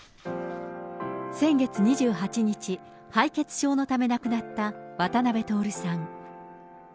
先月２８日、敗血症のため亡くなった渡辺徹さん。